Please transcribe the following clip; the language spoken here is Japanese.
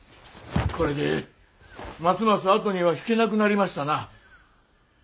これでますます後には引けなくなりましたな。